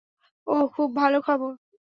ওহ, খুব ভালো খবর।